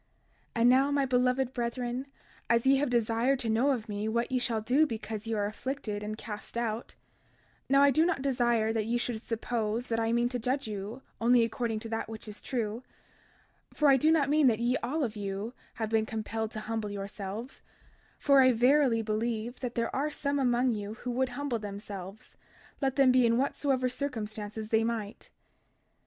32:24 And now, my beloved brethren, as ye have desired to know of me what ye shall do because ye are afflicted and cast out—now I do not desire that ye should suppose that I mean to judge you only according to that which is true— 32:25 For I do not mean that ye all of you have been compelled to humble yourselves; for I verily believe that there are some among you who would humble themselves, let them be in whatsoever circumstances they might.